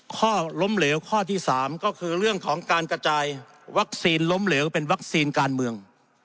ข้อล้มเหลวข้อที่๓ก็คือเรื่องของการกระจายวัคซีนล้มเหลวเป็นวัคซีนการเมือง